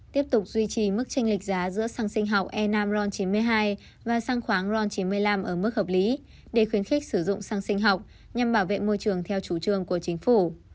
tiếp tục duy trì mức tranh lệch giá giữa xăng sinh học e năm ron chín mươi hai và sang khoáng ron chín mươi năm ở mức hợp lý để khuyến khích sử dụng xăng sinh học nhằm bảo vệ môi trường theo chủ trương của chính phủ